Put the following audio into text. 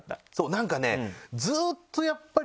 なんかねずっとやっぱり。